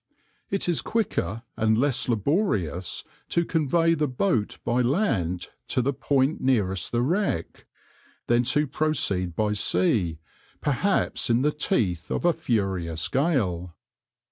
It is quicker and less laborious to convey the boat by land to the point nearest the wreck, than to proceed by sea, perhaps in the teeth of a furious gale.